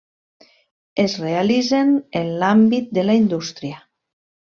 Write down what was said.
Es realitzen en l'àmbit de la indústria.